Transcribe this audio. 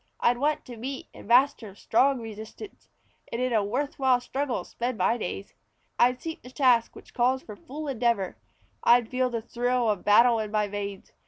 I'd want to meet and master strong resistance, And in a worth while struggle spend my days. I'd seek the task which calls for full endeavor; I'd feel the thrill of battle in my veins.